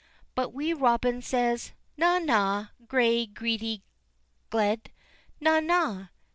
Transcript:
But Wee Robin says: "Na, na! gray greedy gled, na, na!